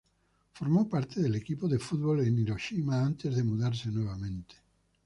Formó parte del equipo de fútbol en Hiroshima, antes de mudarse nuevamente.